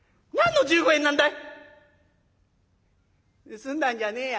「盗んだんじゃねえや。